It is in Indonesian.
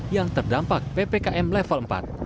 yang terdampak ppkm level empat